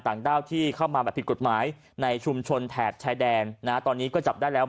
ด้าวที่เข้ามาแบบผิดกฎหมายในชุมชนแถบชายแดนนะฮะตอนนี้ก็จับได้แล้ว